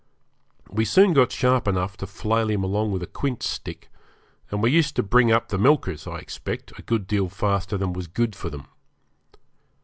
We soon got sharp enough to flail him along with a quince stick, and we used to bring up the milkers, I expect, a good deal faster than was good for them.